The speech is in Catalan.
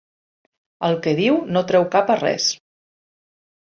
El que diu no treu cap a res.